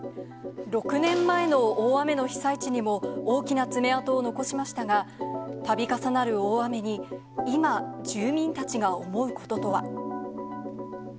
６年前の大雨の被災地にも、大きな爪痕を残しましたが、たび重なる大雨に、今、住民たちが思うこととは。